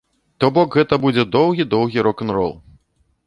То бок, гэта будзе доўгі-доўгі рок-н-рол.